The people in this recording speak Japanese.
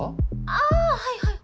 あぁはいはい。